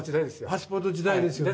パスポート時代ですよね。